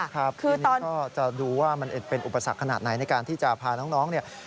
ครับทีนี้ก็จะดูว่ามันเป็นอุปสรรคขนาดไหนในการที่จะพาน้องเนี่ย